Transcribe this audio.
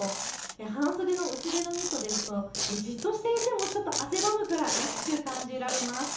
半袖の薄手のニットですとじっとしていてもちょっと汗ばむくらい暑く感じられます。